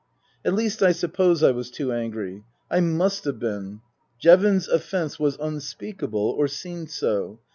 At least I suppose I was too angry. I must have been. Jevons's offence was unspeakable, or seemed so.